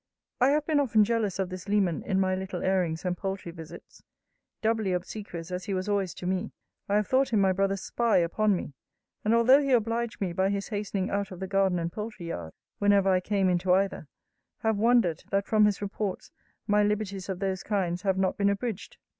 I have been often jealous of this Leman in my little airings and poultry visits. Doubly obsequious as he was always to me, I have thought him my brother's spy upon me; and although he obliged me by his hastening out of the garden and poultry yard, whenever I came into either, have wondered, that from his reports my liberties of those kinds have not been abridged.